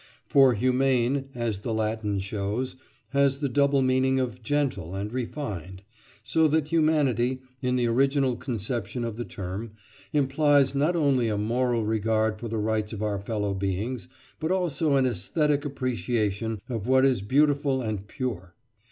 For "humane," as the Latin shows, has the double meaning of "gentle" and "refined"; so that "humanity," in the original conception of the term, implies not only a moral regard for the rights of our fellow beings, but also an æsthetic appreciation of what is beautiful and pure.